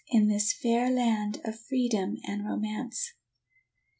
In this fair land of freedom and romance?